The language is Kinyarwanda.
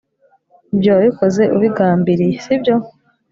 Ibyo wabikoze ubigambiriye sibyo